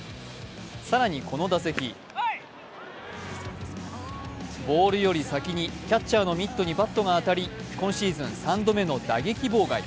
更にこの打席ボールより先にキャッチャーのミットにバットが当たり今シーズン３度目の打撃妨害。